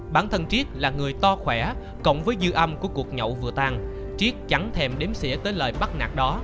bản thân triết là người to khỏe cộng với dư âm của cuộc nhậu vừa tan triết chẳng thèm đếm xỉa tới lời bắt nạt đó